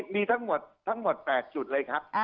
มีทั้งหมด๘จุดเลยครับ